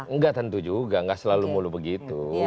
enggak tentu juga nggak selalu mulu begitu